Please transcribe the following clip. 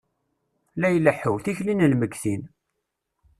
La ileḥḥu, tikli n lmegtin.